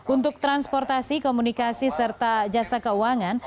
untuk transportasi komunikasi serta jasa keuangan